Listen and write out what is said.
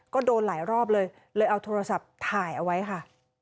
ก็โดนหลายรอบเลยเลยเอาโทรศัพท์ถ่ายเอาไว้ค่ะ